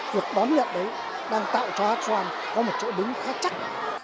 việc đón nhận đấy đang tạo cho hát xoan có một chỗ đứng khá chắc